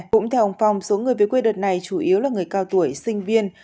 cũng theo ông phong số người về quê đợt này chủ yếu là người cao tuổi sinh viên